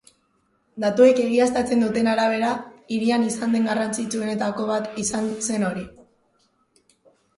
Datuek egiaztatzen duten arabera, hirian izan den garrantzitsuenetako bat izan zen hori.